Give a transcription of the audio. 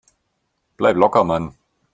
Bleib locker, Mann!